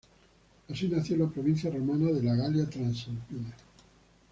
Así nació la provincia romana de la Galia Transalpina.